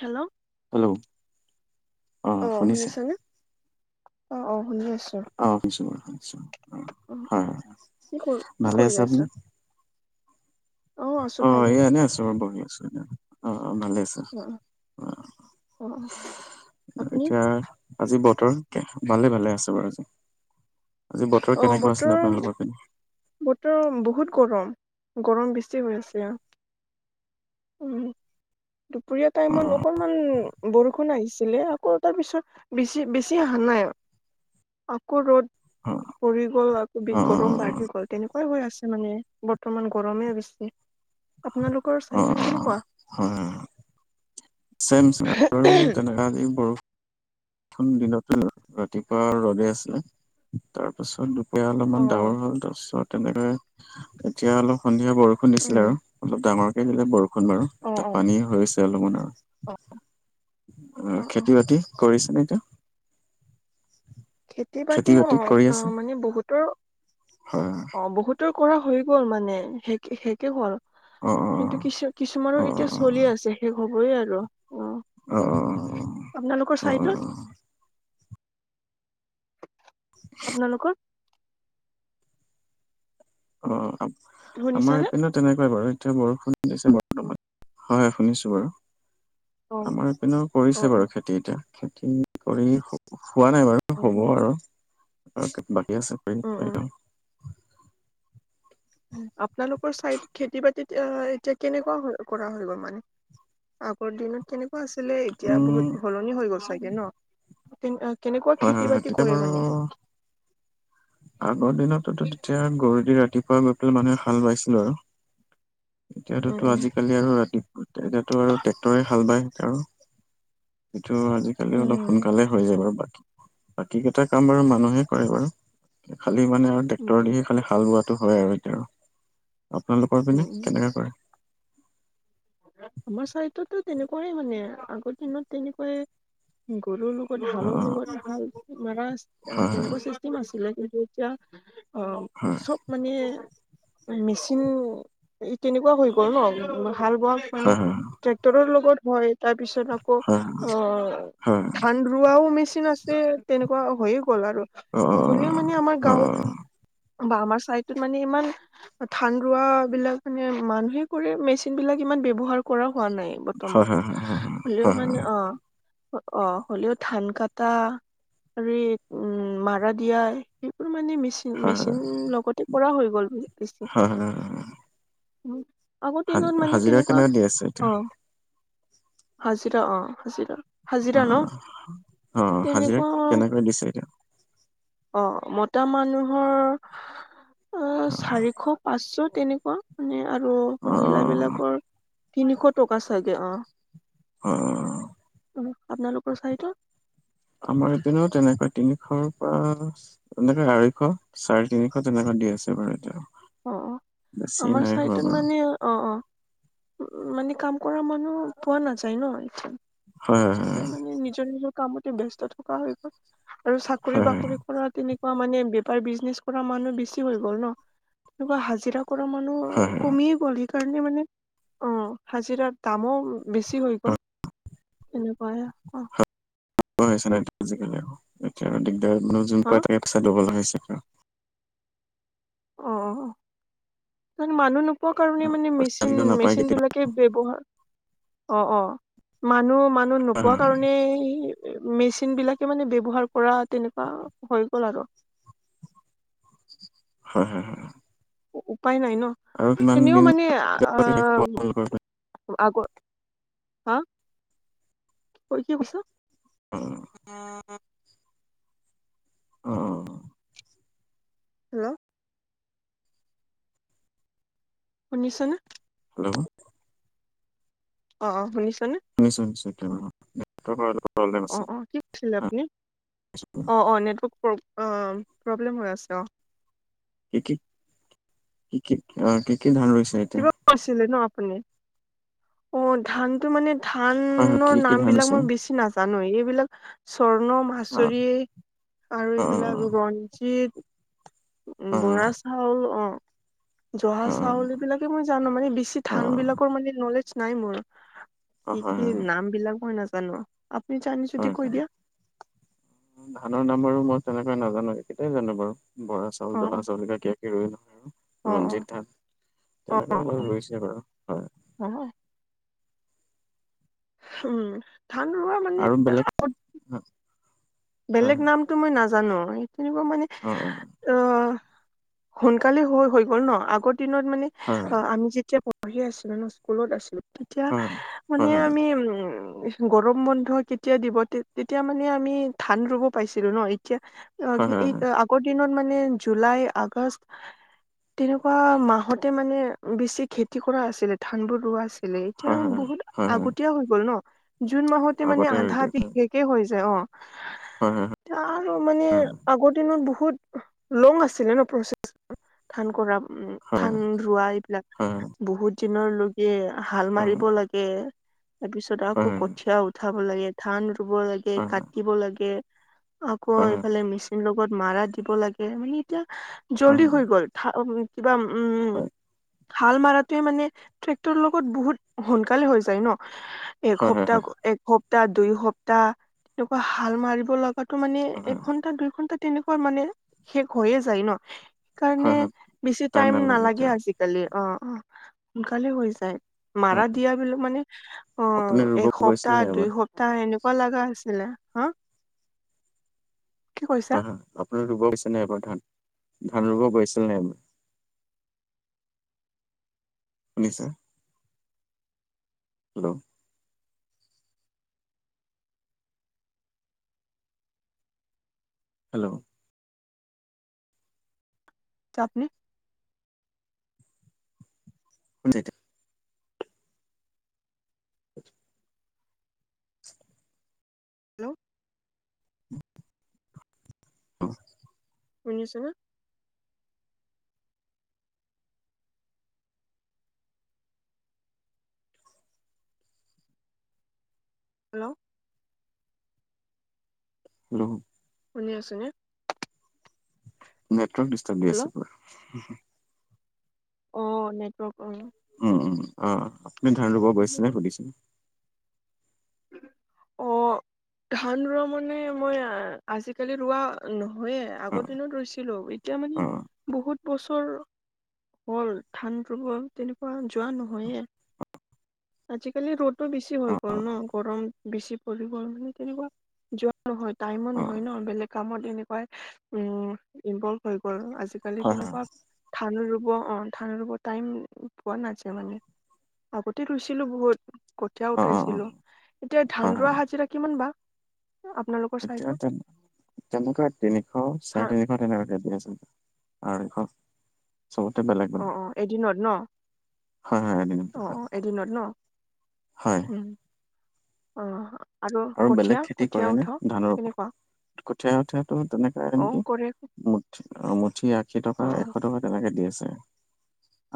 Hello hello অ অহ শুনিছে শুনিছানে। অ' অ' শুনি আছো। অ শুনিছো বাৰু শুনিছো অ হয় [unintelligible] হয় কি কৰ কি ভালে কৰি আছে আপুনি আছা। অ আছো অ' ভালে। এ এনে আছো বহি আছো এনে অ' ভালেই আছো অ অ'। অ অ আপুনি? এতিয়া আজি বতৰ ভালে ভালে আছে বাৰু আজি। আজি বতৰ অ কেনেকুৱা আছিল বতৰ আপোনালোকৰ পিনে। বতৰ বহুত গৰম, গৰম বেছি হৈ আছে অ'। উম, দুপৰীয়া অ টাইমত অকনমান বৰষুণ আহিছিলে আকৌ তাৰপিছত বেছি বেছি আহা নাই আকৌ ৰ'দ। অ পৰি গ'ল আকৌ অ অ অ গৰম বাঢ়ি গ'ল তেনেকুৱাই হৈ আছে মানে বৰ্তমান গৰমে বেছি। আপোনালোকৰ অ অ চাইটতো কেনেকুৱা হয় হয় চেম, চেম আৰু তেনেকা বৰষুণ খন দিনতে ন' ৰাতিপুৱা আৰু ৰ'দে আছিলে। তাৰপাছত দুপৰীয়া অ অলপমান অ ডাৱৰ হ'ল। তাৰপিছত তেনেকে এতিয়া অলপ সন্ধিয়া বৰষুণ বৰষুণ দিছিলে উম আৰু অলপ ডাঙৰকে দিলে বৰষুণ বাৰু অ এতিয়া অ পানী হৈছে অলপমান অ আৰু। অ' খেতি-বাতি কৰিছে নে এতিয়া। খেতি বাতি অ' অ' মানে বহুতৰ অ' হয় বহুত বহুতৰ কৰা হৈ গ'ল মানে শে শেষে হ'ল। অ কিন্তু কিছু অ অ কিছুমানোৰ এতিয়া চলি আছে শেষ হ'বয়েই আৰু। অ অ' অ' আপোনালোকৰ অ' চাইডত অ'। [inaudible] আপোনালোকৰ। অ' আমাৰ শুনিছানে এইপনে তেনেকুৱাই বাৰু এতিয়া বৰষুণ দিছে বৰ্তমান। হয় শুনিছো বাৰু। অ অ আমাৰ ইপিনেও অ কৰিছে বাৰু খেতি এতিয়া। খেতি কৰি হোৱা নাই বাৰু। অ হ'ব উম আৰু বাকী আছে উম উম কৰিম [unintelligible] আপোনালোকৰ চাইড খেতি-বাতি এতিয়া কেনেকুৱা কৰা হৈ গ'ল মানে। আগৰ দিনত কেনেকুৱা আছিলে এতিয়া উম বহুত সলনি হৈ গ'ল চাগে ন'। কেনেকুৱা হয় হয় হয় খেতি-বাতি তেতিয়া কৰে মানে‌। বাৰু আগৰ দিনততো তেতিয়া গৰু দি ৰাতিপুৱা গৈ পেলাই মানুহে হাল বাইছিলো আৰু। এতিয়া তোতো উম আজিকালি আৰু ৰাতিপুৱা এতিয়াতো আৰু ট্ৰেক্টৰে হাল বায় আৰু‌। সেইটো বাৰু আজিকালি অলপ উম সোনকালে হৈ যায় বাৰু, বাকী, বাকী কেইটা কাম বাৰু উম মানুহে কৰে বাৰু। খালি মানে আৰু উম ট্ৰেক্টৰ উম দিহে খালি হাল বোৱাটো হয় আৰু এইটো। আপোনালোকৰ উম পিনে, উম কেনেকে কৰে? আমাৰ চাইডটো তেনেকুৱাই মানে, আগৰ দিনত তেনেকুৱাই গৰুৰ লগত অ হালৰ অ লগত ভাল, মাৰা আছে হয় তেনেকুৱা আছিলে, কিন্তু এতিয়া হয় অ' মানে মেচিন, তেনেকুৱা হৈ গ'ল ন' হাল বোৱা। মানে হয় হয় ট্ৰেক্টৰৰ লগত হয়, তাৰপিছত আকৌ হয় হয় অ' হয় ধান ৰোৱাও মেচিন আছে, তেনেকুৱা হয়ে গ'ল আৰু, অ অ নহ'লেও মানে আমাৰ অ অ গাঁৱত বা আমাৰ চাইডত মানে ইমান ধান ৰুৱা বিলাক মানে মানুহে কৰি, মেছি বিলাক ইমান ব্যৱহাৰ কৰা হোৱা নাই হয় বৰ্তমান, হয় হয় হয় হয় হলেও হয় মানে অ'। অ' হ'লেও ধান কাটা। আৰু উম মাৰা দিয়া, সেইবোৰ মানে মেচিন, হয় মেচিন লগতে কৰা হৈ গ'ল বুলি। হয়, হয়, অ'। উম'। আগৰ মানে হাজিৰা তেনেকুৱা, কেনেকে দি আছে এতিয়া অ' হাজিৰা, অ' হাজিৰা। অ হাজিৰা ন', অ হাজিৰা তেনেকুৱা। কেনেকৈ দিছে এতিয়া অ' মতা মানুহৰ। অ' চাৰিশ, পাঁচশ তেনেকুৱা, মানে আৰু মহিলা অ', বিলাকৰ। তিনিশ টকা ছাগে অ'। অ'। উম' আপোনালোকৰ চাইদত? আমাৰ এপিনেও তেনেকুৱাই, তিনিশৰ পৰা এনেকে আঢ়ৈশ, চাৰি তিনিশত এনেকা দি আছে বাৰু এতিয়া। অ', বেছি আমাৰ নাই হোৱা চাইডট বাৰু মানে অ' অ'। উ মানে কাম কৰা মানুহ পোৱা নাযায় ন', হয়, চবে হয়, মানে নিজৰ নিজৰ কামতে ব্যস্ত থকা হৈ গ'ল। আৰু চাকৰি হয়, বাকৰি কৰাত। তেনেকুৱা মানে বেপাৰ বিজনেছ কৰা মানুহ বেছি হৈ গ'ল ন', তেনেকুৱা হাজিৰা কৰা মানুহ, হয়, কমিয়েই গ'ল সেইকাৰণে মানে। অ' হাজিৰা, দামো বেছি হৈ গ'ল হয়। এনেকুৱাই। হৈছে ন'আজিকালি, এতিয়া দিগদাৰ মানে যোন হা পাই তাকে পইচাই দিব লগা হৈছে। অ', অ', মানুহ নোপোৱা কাৰণে মানে মেচিন, আজিকালি নাপায় মেচিন কেতিয়াবা বিলাক। ব্যৱহাৰ, অ', অ', মানুহ মানুহ নোপোৱা হয়, কাৰণেই মেচিন বিলাকে মানে ব্যৱহাৰ কৰা তেনেকুৱা হৈ গ'ল আৰু। হয়, হয়, হয়। উপায় নাই ন', আৰু কিমান এনেও দিন মানে আ' শেষ হ'ব আপোনালোকৰ পিনে? আগৰ, হা ক কি কৈছা? উম'। [unintelligible] অ'। হেল্ল'? শুনিছ নে? হেল্ল'? অ' অ' শুনিছনে? শুনিছো শুনিছো এতিয়া ভালকে। তই কৰাটো প্ৰবেম। অ', অ' কি কৈছিলে আপুনি? অ' অ' নেটৱৰ্ক প্ৰব্লেম হৈ আছে অ'। কি, কি, কি, কি, অ' কি কি ধান ৰুইছে এতিয়া? কিবা কৈছিলে ন আপুনি, অ' ধানটো মানে হয় হয় কি ধানৰ কি নাম ধান বিলাক হৈছে মই বেছি নাজানো, এইবিলাক স্বৰ্ণ, অ মাছৰি আৰু অ এইবিলাক ৰঞ্জিত' উম অ বৰা চাউল অ' জহা অ অ চাউল এইবিলাক বাকী মই জানো মানে, বেছি অ ধান বিলাকৰ মানে নলেজ নাই মোৰ। অ কি হয় কি হয় নাম বিলাক মই নাজানো। আপুনি জানি যদি হয় কৈ হয় দিয়ক? ধানৰ নাম বাৰু মই তেনেকৈ নাজানো। একেইটাই জানো বাৰু বৰা চা উল, অ জহা অ চাউল এইবিলাক কিবা কিবি ৰৈ অ অ ৰঞ্জিত ধান তেনেকুৱা অ' ৰুইছে বাৰু হয়। অ [unintelligible] উম, ধান ৰোৱা মানে আৰু বেলেগ বেলেগ হয় নামটো মই নাজানো, সেই তেনেকুৱা মানে উম, উম। অ' সোনকালে হৈ হৈ গ'ল ন, আগৰ দিনত মানে হয় অ' আমি যেতিয়া পঢ়ি আছিলো ন স্কুলত আছিলো। তেতিয়া হয় হয় মানে আমি উম গৰম বন্ধ কেতিয়া দিব, তেতিয়া মানে আমি ঠান ৰুব পাইছিলো ন। এতিয়া হয় হয় অ' হয় এই আগৰ দিনত মানে জুলাই আগষ্ট তেনেকুৱা মাহতে মানে বেছি খেতি কৰা আছিলে, ধান বোৰ ৰোৱা আছিল ছিলে। এতিয়া হয় বহুত হয় হয় হয় আগতীয়া হৈ গ'ল ন, জুন মাহতে মানে আগতে ৰুই আধা দিয়ে আধি শেষ হৈ যায় অ'। হয়, হয়, হয়। এতিয়া আৰু মানে আগৰ দিনত বহুত লং আছিলে ন প্ৰচেছ। ধান কৰা উম। হয় ধান ৰোৱা এইবিলাক হয় বহুত দিনলৈকে হাল মাৰিব লাগে। তাৰ পিছত হয় হয় হয় আকৌ কঠীয়া উঠাব লাগে, ধান ৰুব লাগে, হয় কাটিব লাগে। আকৌ হয় হয় হয় হয় এইফালে মেচিন লগত মাৰা দিব লাগে, মানে এতিয়া জল্দি হৈ গ'ল। ধা উ কিবা উম। হয়। হাল মৰাটোৱে মানে ট্ৰেক্টৰ লগত বহুত সোনকালে হৈ যায় ন। হয় একসপ্তাহ একসপ্তাহ দুই সপ্তাহ তেনেকুৱা হাল মাৰিব লাগ গাটো মানে হয় এঘণ্টা দুই ঘন্টা তেনেকুৱা মানে শেষ হৈয়ে যায় ন। কাৰণে হয় হয় বেছি টাইম নালাগে আজিকালি অ' অ' সোনকালে হৈ যায়। হয়। মাৰা দিয়া বিলাক মানে অ' আপুনি ৰুব গৈছিল এসপ্তাহ নে দুই এবাৰ সপ্তাহ এনেকুৱা লগা হৈছে। হা' কি কৈৰিছ? আপোনাৰ ৰুব গৈছে নাই এইবাৰ ধান, ধান ৰুব গৈছিল নাই? শুনিছে? হেল্ল'? তিয়া আপুনি উম [unintelligible] [inaudible] [inaudible] হেল্ল' উম। শুনিছানে? হেল্ল'? নুশু। শুনি আছেনে? নেটৱৰ্ক ডিষ্টাৰ্ব দি আছে পুৰা। অ', নেটৱৰ্ক অ'। উম-উম অ'-অ', আপুনি ধান ৰুব গৈছে অ নে সুধিছে? অ', ধান ৰোৱা মানে মই আজিকালি ৰোৱা নহয়ে, অ আগৰ দিনত ৰুইছিলোঁ‌, এতিয়া অ মানে বহুত বছৰ হ'ল, ধান ৰুব তেনেকুৱা যোৱা নহয়ে। আজিকালি ৰ'দো বেছি অ হৈ গ'ল ন, গৰম বেছি পৰি গ'ল মানে তেনেকুৱা। যোৱা নহয় টাইমো অ অ নহয় ন, বেলেগ কামত এনেকুৱাই উম ইনভল্ভ হৈ গ'ল আজিকালি হয় হয় তেনেকুৱা ধান ৰুব অ', ধান ৰুব টাইম পোৱা নাযায় মানে। আগতে ৰুইছিলোঁ‌ বহুত, কঠীয়া অ অ অ উঠাইছিলোঁ। এতিয়া হয় ধান ৰোৱা হয় হাজিৰা কিমান বা? আপোনালোকৰ এতিয়া চাইডত তেন তেনেকৈ তিনিশ, ধান চাৰে তিনিশ, তেনেকাৱাকে দি আছে, আঢ়ৈশ। চবতে বেলেগ। অ', অ', এদিনত ন'? হয়-হয় এদিনত। অ', এদিনত ন, হয় উম, অ'। আৰু বেলেগ কঠীয়া খেতি কঠীয়া কৰে নে উঠাও ধানৰ পা কেনেকুৱা কঠীয়া উঠিয়াটো তেনেকোৱা অ নেকি, কৰে মু-মুঠি আশী অ টকা, অ এশ টকা। তেনেকে দি আছে।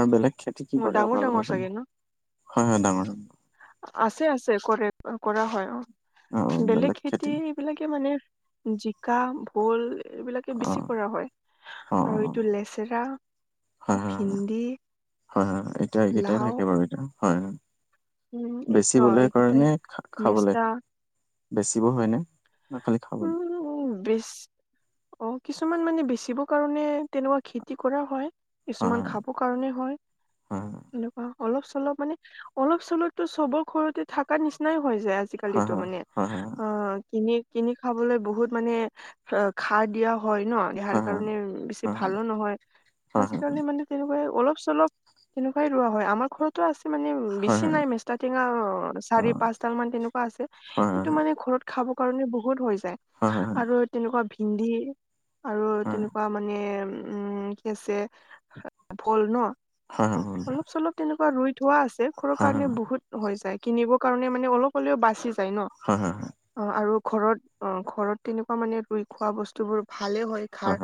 আৰু বেলেগ খেতি কি অ কৰে ডাঙৰ ডাঙৰ আপোনালোকৰ ফালে? চাগে ন হয়-হয় ডাঙৰ-ড [unintelligible] আছে আছে কৰে কৰা হয় অ', বেলেগ খেতি এইবিলাকে মানে জিকা, ভোল এইবিলাকে অ বেছি কৰা হয় অ অ আৰু এইটো লেচেৰা, ভিন্দি হয়-হয় এতিয়া এইকেইটাই লাও থাকে বাৰু এতিয়া হয়-হয়। উম এই অ বেচিবলে কৰে এইকেইটাই নে খা-খাবলে? মেষ্টা বেছিব হয় নে, না খালি খাবলে? উম বেচ অ', কিছুমান মানে বেচিব কাৰণে তেনেকুৱা খেতি কৰা হয়। হয় কিছুমান খাব কাৰণে হয়। হয় এনেকুৱা অলপ-চলপ মানে অলপ-চলপতো চবৰ ঘৰতে থাকা নিচিনাই হৈ যায় আজি হয় আজিকালিতো মানে হয় হয় অ', কিনি কিনি খাবলৈ বহুত মানে খাৰ দিয়া হয় ন'। দেহাৰ হয় হয় কাৰণে বেছি হয় ভালো নহয় হয় আজিকালি মানে তেনেকুৱাই অলপ-চলপ তেনেকুৱাই ৰোৱা হয়, আমাৰ ঘৰত টো আছে মানে, হয় হয় হয় বেছি নাই মেষ্টা টেঙা চাৰি পাঁচডাল মান তেনেকুৱা আছে। এইটো হয় মানে ঘৰত খাব কাৰণে বহুত হৈ যায়, হয় আৰু তেনেকুৱা ভিন্দি আৰু তেনেকুৱা মানে উম, কি আছে ভল ন' হয় হয় হয় হয় হয় অলপ-চলপ তেনেকুৱা ৰুই থোৱা আছে, ঘৰৰ হয় কাৰণে বহুত হৈ যায়, কিনিব কাৰণে মানে অলপ হ'লেও বাচি যায় ন'। হয় হয় হয়। অঁ, আৰু ঘৰত অঁ ঘৰত তেনেকুৱা মানে ৰুই খোৱা বস্তু বোৰ ভালে হয় খাৰ।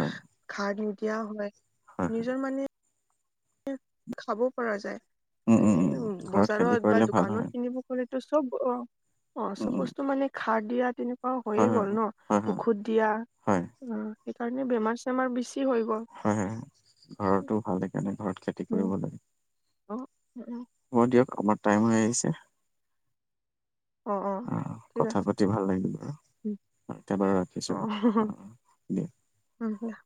খাৰ নিদিয়াওঁ হয় হয় হয় নিজৰ মা নেঢ খাব পৰা যায়, উম উম এ উম ঘৰত খেতি বজাৰত বা কৰিলে ভাল হয় দোকানত কিনিব মোৰ এইটো চব অঁ অঁ উম চব উম বস্তু মানে খাৰ দিয়া তেনে অহ, হৈয়ে হয় গ'ল ন হয় হয় ঔষধ দিয়া অ, হয় সেইকাৰণে বেমাৰ চেমাৰ বেছি হৈ গ'ল। হয় হয় হয়, ঘৰতো ভাল এইকাৰণে ঘৰত খেতি উম, কৰিবলৈ। অ অ। হ'ব দিয়ক আমাৰ টাইম হৈ আহিছে। অ অ। আহ, ঠিক কথা আছে পাতি ভাল লাগিলে উম, একেবাৰু ৰাখিছো অঁ দিয়া। অঁ দিয়া।